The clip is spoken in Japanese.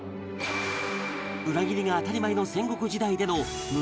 裏切りが当たり前の戦国時代での胸